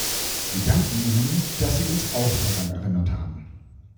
Wir danken Ihnen, dass Sie uns auch daran erinnert haben.